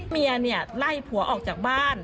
เมียไล่ผัวออกจากบ้าน